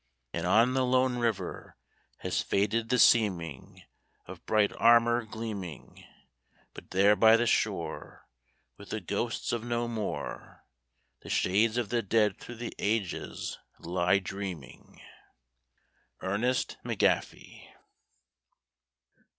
And on the lone river, Has faded the seeming Of bright armor gleaming, But there by the shore With the ghosts of no more The shades of the dead through the ages lie dreaming. ERNEST MCGAFFEY.